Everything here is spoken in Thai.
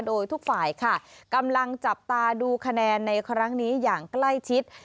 โดยทุกฝ่ายค่ะกำลังจับตาดูคะแนนในครั้งนี้อย่างใกล้ชิด